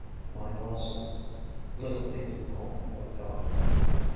Mine also, little painted poem of God.